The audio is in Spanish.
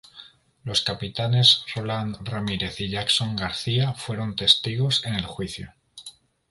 Los capitanes Ronald Ramírez y Jackson García fueron testigos en el juicio.